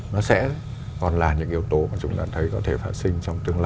nó sẽ còn là những yếu tố mà chúng ta thấy có thể phát sinh